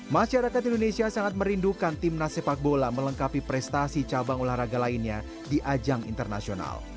masyarakat indonesia sangat merindukan timnas sepak bola melengkapi prestasi cabang olahraga lainnya di ajang internasional